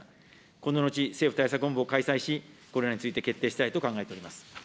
こののち政府対策本部を開催し、これらについて決定したいと考えております。